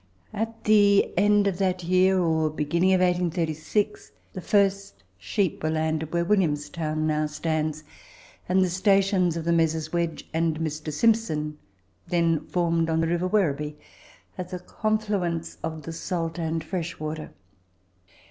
In the end of that year or beginning of 1836, the first sheep were landed where Williamstown now stands, and the stations of the Messrs. Wedge and Mr. Simpson then formed on the river Werribee, at the confluence of the salt and fresh water.